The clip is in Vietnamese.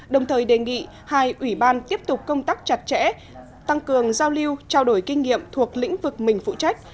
đồng thời đề nghị hai ủy ban tiếp tục công tác chặt chẽ tăng cường giao lưu trao đổi kinh nghiệm thuộc lĩnh vực mình phụ trách